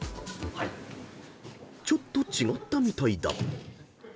［ちょっと違ったみたいだ］